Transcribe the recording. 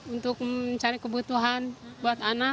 untuk mencari kebutuhan buat anak